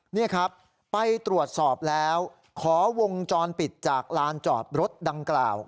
นี่ครับไปตรวจสอบแล้วขอวงจรปิดจากลานจอดรถดังกล่าว